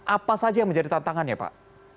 apa saja yang menjadi tantangannya pak